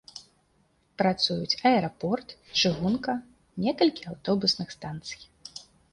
Працуюць аэрапорт, чыгунка, некалькі аўтобусных станцый.